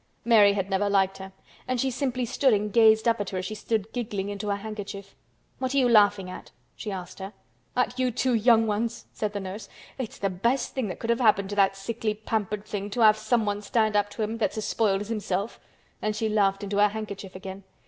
Mary had never liked her, and she simply stood and gazed up at her as she stood giggling into her handkerchief.. "What are you laughing at?" she asked her. "At you two young ones," said the nurse. "It's the best thing that could happen to the sickly pampered thing to have someone to stand up to him that's as spoiled as himself;" and she laughed into her handkerchief again.